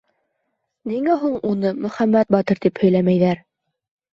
Ниңә һуң уны «Мөхәммәт батыр» тип һөйләмәйҙәр?